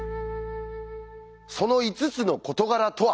その５つの事柄とは？